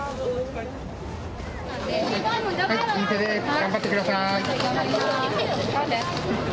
頑張ってください。